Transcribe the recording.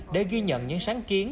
để ghi nhận những sáng kiến